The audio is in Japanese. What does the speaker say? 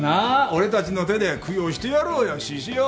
俺たちの手で供養してやろうよ獅子雄。